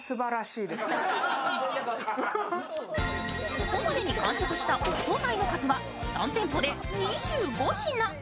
ここまでに完食したお惣菜の数は３店舗で２５品。